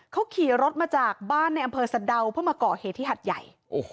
เขาขี่รถมาจากบ้านในอำเภอสะดาวเพื่อมาก่อเหตุที่หัดใหญ่